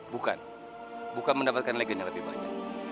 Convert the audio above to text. bukan bukan mendapatkan legend yang lebih banyak